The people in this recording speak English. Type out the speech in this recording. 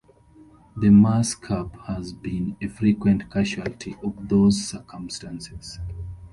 The MassCap has been a frequent casualty of those circumstances.